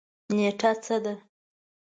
نیټه څه ده؟